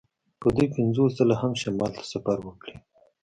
که دوی پنځوس ځله هم شمال ته سفر وکړي